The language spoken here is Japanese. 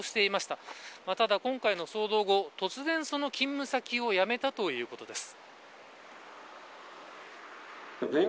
ただ、今回の騒動後突然その勤務先を辞めたということです。